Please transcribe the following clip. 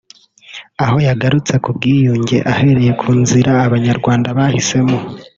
aho yagarutse ku bwiyunge ahereye ku nzira abanyarwanda bahisemo